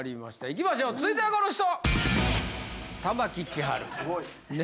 いきましょう続いてはこの人！